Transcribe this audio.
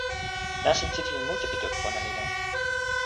nasin sitelen mute pi toki pona li lon.